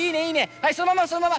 はいそのままそのまま。